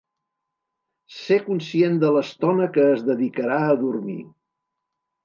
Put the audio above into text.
Ser conscient de l’estona que es dedicarà a dormir.